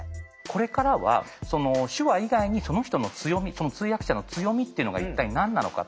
これからは手話以外にその人の強み通訳者の強みっていうのが一体何なのか。